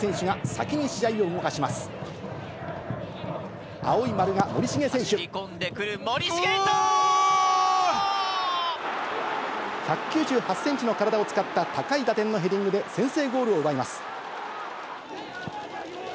走り込んでくる、１９８センチの体を使った高い打点のヘディングで先制ゴールを奪います。